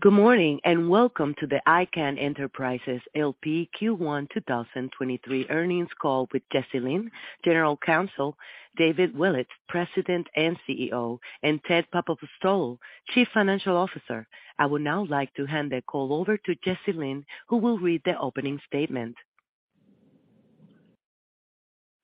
Good morning, welcome to the Icahn Enterprises L.P. Q1 2023 Earnings Call with Jesse Lynn, General Counsel, David Willetts, President and CEO, and Ted Papapostolou, Chief Financial Officer. I would now like to hand the call over to Jesse Lynn, who will read the opening statement.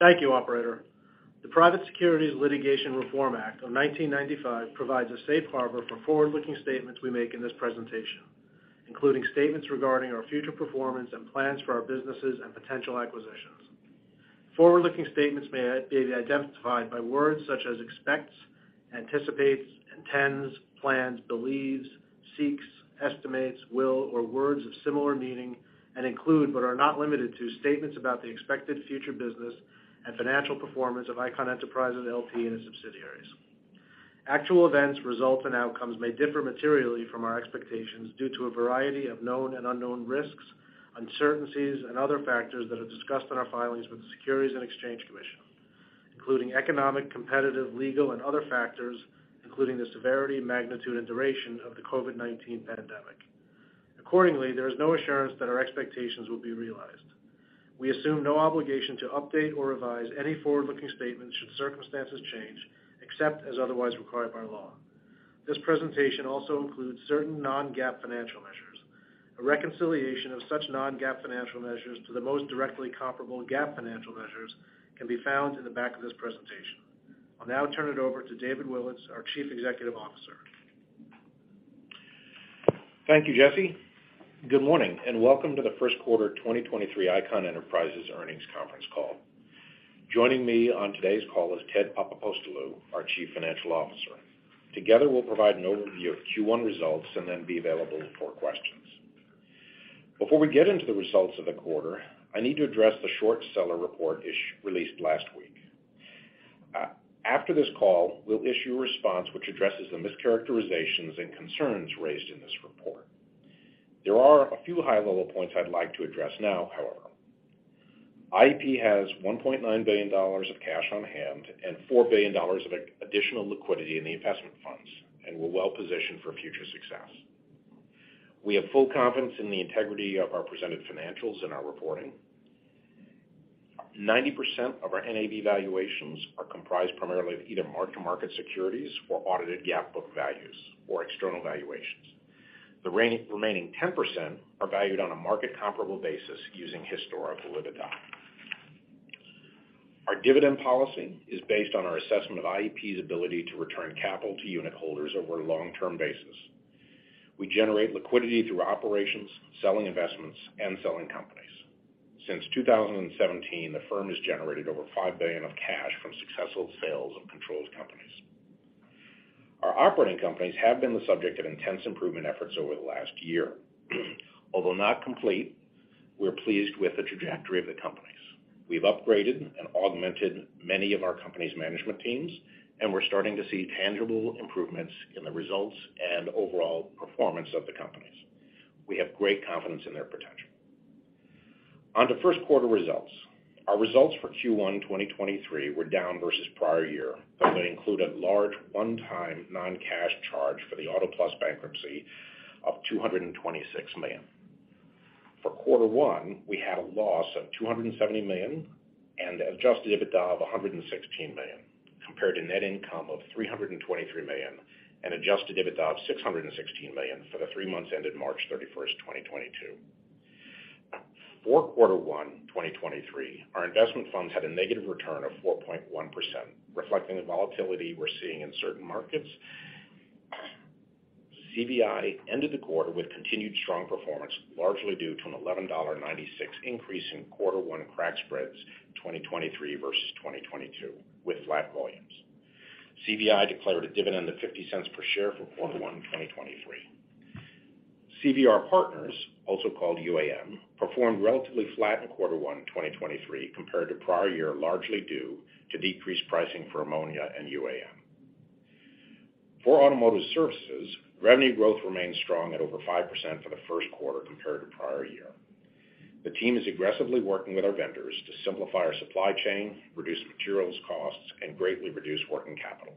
Thank you, operator. The Private Securities Litigation Reform Act of 1995 provides a safe harbor for forward-looking statements we make in this presentation, including statements regarding our future performance and plans for our businesses and potential acquisitions. Forward-looking statements may be identified by words such as expects, anticipates, intends, plans, believes, seeks, estimates, will, or words of similar meaning, and include, but are not limited to, statements about the expected future business and financial performance of Icahn Enterprises LP and its subsidiaries. Actual events, results, and outcomes may differ materially from our expectations due to a variety of known and unknown risks, uncertainties, and other factors that are discussed in our filings with the Securities and Exchange Commission, including economic, competitive, legal, and other factors, including the severity, magnitude, and duration of the COVID-19 pandemic. Accordingly, there is no assurance that our expectations will be realized. We assume no obligation to update or revise any forward-looking statements should circumstances change, except as otherwise required by law. This presentation also includes certain non-GAAP financial measures. A reconciliation of such non-GAAP financial measures to the most directly comparable GAAP financial measures can be found in the back of this presentation. I'll now turn it over to David Willetts, our Chief Executive Officer. Thank you, Jesse. Good morning, welcome to theQ1 2023 Icahn Enterprises Earnings Conference Call. Joining me on today's call is Ted Papapostolou, our Chief Financial Officer. Together, we'll provide an overview of Q1 results and then be available for questions. Before we get into the results of the quarter, I need to address the short seller report released last week. After this call, we'll issue a response which addresses the mischaracterizations and concerns raised in this report. There are a few high-level points I'd like to address now, however. IEP has $1.9 billion of cash on hand and $4 billion of additional liquidity in the investment funds and we're well-positioned for future success. We have full confidence in the integrity of our presented financials and our reporting. 90% of our NAV valuations are comprised primarily of either mark-to-market securities or audited GAAP book values or external valuations. The remaining 10% are valued on a market comparable basis using historical EBITDA. Our dividend policy is based on our assessment of IEP's ability to return capital to unit holders over a long-term basis. We generate liquidity through operations, selling investments, and selling companies. Since 2017, the firm has generated over $5 billion of cash from successful sales of controlled companies. Our operating companies have been the subject of intense improvement efforts over the last year. Not complete, we're pleased with the trajectory of the companies. We've upgraded and augmented many of our company's management teams, we're starting to see tangible improvements in the results and overall performance of the companies. We have great confidence in their potential. On to Q1 results. Our results for Q1 2023 were down versus prior year, but they include a large one-time non-cash charge for the Auto Plus bankruptcy of $226 million. For Q1, we had a loss of $270 million and adjusted EBITDA of $116 million, compared to net income of $323 million and adjusted EBITDA of $616 million for the three months ended March 31, 2022. For Q1 2023, our investment funds had a negative return of 4.1%, reflecting the volatility we're seeing in certain markets. CVI ended the quarter with continued strong performance, largely due to an $11.96 increase in Q1 crack spreads 2023 versus 2022 with flat volumes. CVI declared a dividend of $0.50 per share for quarter one, 2023. CVR Partners, also called UAN, performed relatively flat in quarter one, 2023, compared to prior year, largely due to decreased pricing for ammonia and UAN. For automotive services, revenue growth remains strong at over 5% for theQ1 compared to prior year. The team is aggressively working with our vendors to simplify our supply chain, reduce materials costs, and greatly reduce working capital.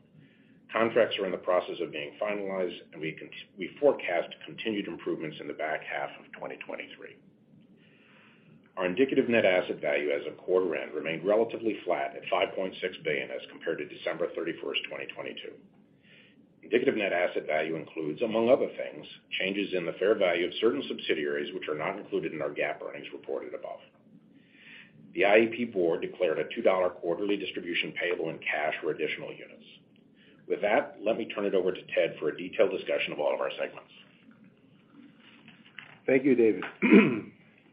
Contracts are in the process of being finalized, and we forecast continued improvements in the back half of 2023. Our indicative net asset value as of quarter end remained relatively flat at $5.6 billion as compared to December 31st, 2022. Indicative net asset value includes, among other things, changes in the fair value of certain subsidiaries which are not included in our GAAP earnings reported above. The IEP board declared a $2 quarterly distribution payable in cash or additional units. With that, let me turn it over to Ted for a detailed discussion of all of our segments. Thank you, David.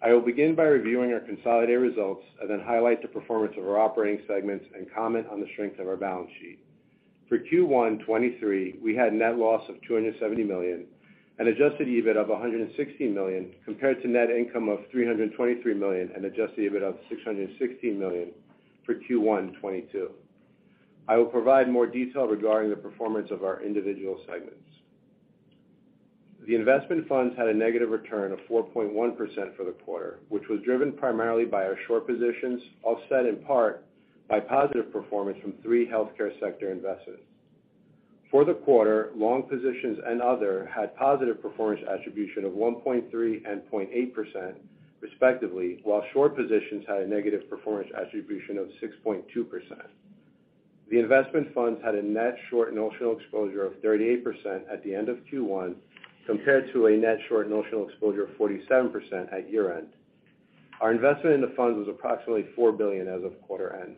I will begin by reviewing our consolidated results and then highlight the performance of our operating segments and comment on the strength of our balance sheet. For Q1 2023, we had net loss of $270 million and adjusted EBIT of $160 million compared to net income of $323 million and adjusted EBIT of $616 million for Q1 2022. I will provide more detail regarding the performance of our individual segments. The investment funds had a negative return of 4.1% for the quarter, which was driven primarily by our short positions, offset in part By positive performance from three healthcare sector investments. For the quarter, long positions and other had positive performance attribution of 1.3% and 0.8% respectively, while short positions had a negative performance attribution of 6.2%. The investment funds had a net short notional exposure of 38% at the end of Q1, compared to a net short notional exposure of 47% at year-end. Our investment in the funds was approximately $4 billion as of quarter end.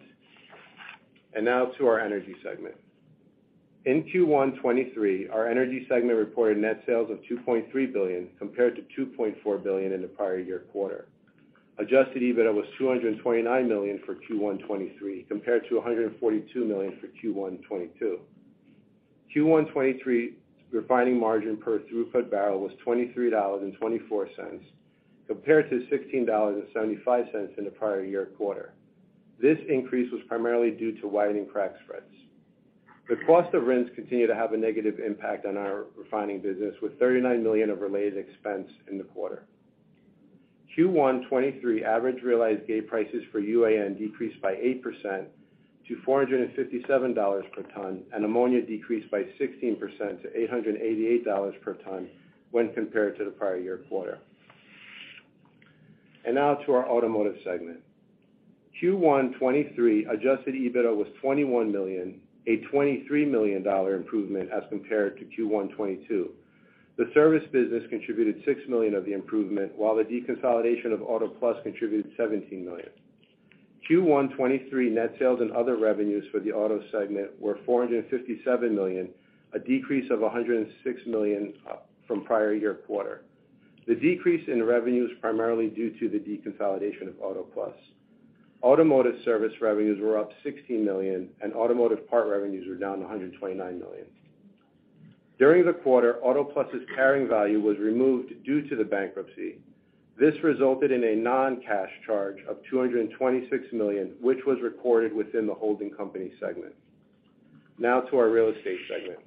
Now to our energy segment. In Q1 2023, our energy segment reported net sales of $2.3 billion compared to $2.4 billion in the prior year quarter. Adjusted EBITDA was $229 million for Q1 2023, compared to $142 million for Q1 2022. Q1 '23 refining margin per throughput barrel was $23.24 compared to $16.75 in the prior year quarter. This increase was primarily due to widening crack spreads. The cost of RINs continue to have a negative impact on our refining business, with $39 million of related expense in the quarter. Q1 '23 average realized gate prices for UAN decreased by 8% to $457 per tonne, ammonia decreased by 16% to $888 per tonne when compared to the prior year quarter. Now to our automotive segment. Q1 '23 adjusted EBITDA was $21 million, a $23 million dollar improvement as compared to Q1 '22. The service business contributed $6 million of the improvement, while the deconsolidation of Auto Plus contributed $17 million. Q1 '23 net sales and other revenues for the auto segment were $457 million, a decrease of $106 million from prior year quarter. The decrease in revenue is primarily due to the deconsolidation of Auto Plus. Automotive service revenues were up $60 million. Automotive part revenues were down $129 million. During the quarter, Auto Plus' carrying value was removed due to the bankruptcy. This resulted in a non-cash charge of $226 million, which was recorded within the holding company segment. Now to our real estate segment.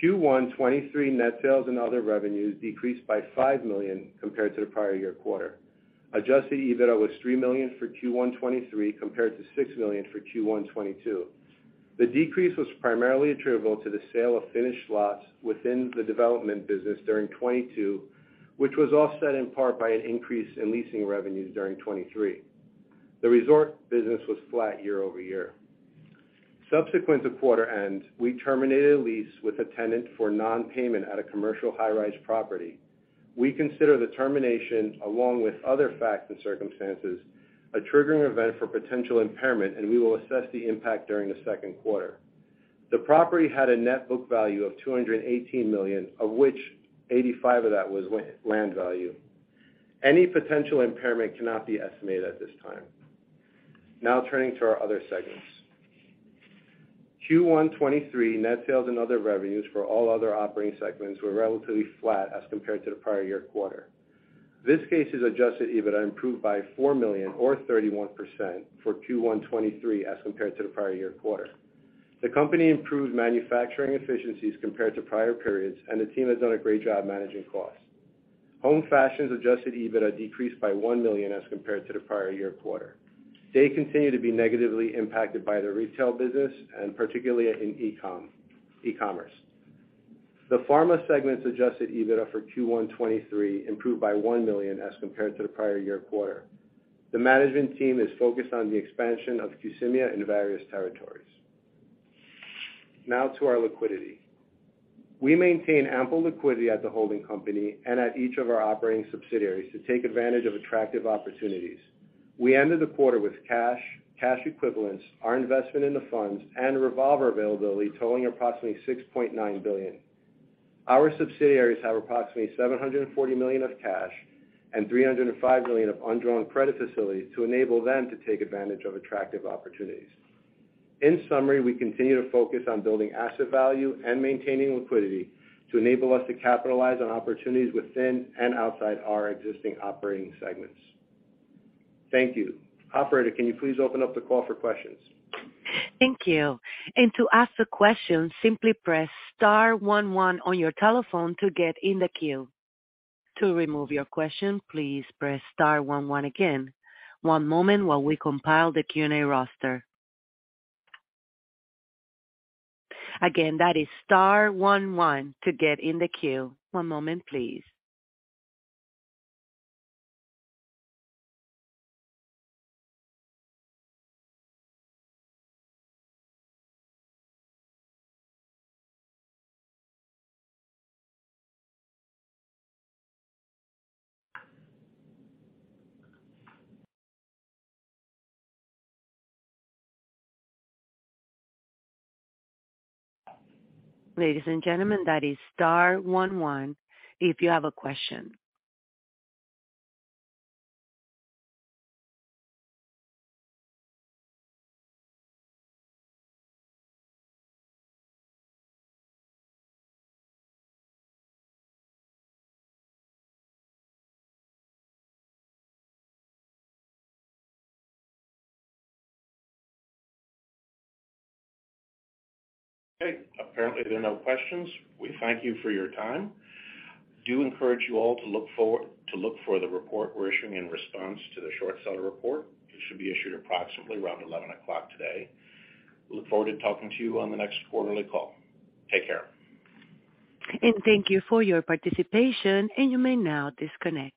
Q1 '23 net sales and other revenues decreased by $5 million compared to the prior year quarter. Adjusted EBITDA was $3 million for Q1 '23 compared to $6 million for Q1 '22. The decrease was primarily attributable to the sale of finished lots within the development business during 2022, which was offset in part by an increase in leasing revenues during 2023. The resort business was flat year-over-year. Subsequent to quarter end, we terminated a lease with a tenant for non-payment at a commercial high-rise property. We consider the termination, along with other facts and circumstances, a triggering event for potential impairment, and we will assess the impact during the second quarter. The property had a net book value of $218 million, of which $85 million of that was land value. Any potential impairment cannot be estimated at this time. Turning to our other segments. Q1 2023 net sales and other revenues for all other operating segments were relatively flat as compared to the prior year quarter. Viskase's adjusted EBITDA improved by $4 million or 31% for Q1 2023 as compared to the prior year quarter. The company improved manufacturing efficiencies compared to prior periods, and the team has done a great job managing costs. Home Fashion adjusted EBITDA decreased by $1 million as compared to the prior year quarter. They continue to be negatively impacted by the retail business and particularly in e-commerce. The pharma segment's adjusted EBITDA for Q1 2023 improved by $1 million as compared to the prior year quarter. The management team is focused on the expansion of Qsymia in various territories. Now to our liquidity. We maintain ample liquidity at the holding company and at each of our operating subsidiaries to take advantage of attractive opportunities. We ended the quarter with cash equivalents, our investment in the funds, and revolver availability totaling approximately $6.9 billion. Our subsidiaries have approximately $740 million of cash and $305 million of undrawn credit facilities to enable them to take advantage of attractive opportunities. In summary, we continue to focus on building asset value and maintaining liquidity to enable us to capitalize on opportunities within and outside our existing operating segments. Thank you. Operator, can you please open up the call for questions? Thank you. To ask the question, simply press star one one on your telephone to get in the queue. To remove your question, please press star one one again. One moment while we compile the Q&A roster. Again, that is star one one to get in the queue. One moment, please. Ladies and gentlemen, that is star one one if you have a question. Okay. Apparently, there are no questions. We thank you for your time. Do encourage you all to look for the report we're issuing in response to the short seller report. It should be issued approximately around 11:00 today. Look forward to talking to you on the next quarterly call. Take care. Thank you for your participation, and you may now disconnect.